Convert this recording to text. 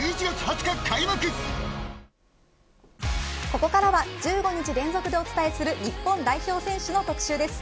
ここからは１５日連続でお伝えする日本代表選手の特集です。